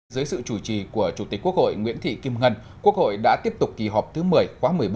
dưới sự chủ trì của chủ tịch quốc hội nguyễn thị kim ngân quốc hội đã tiếp tục kỳ họp thứ một mươi khóa một mươi bốn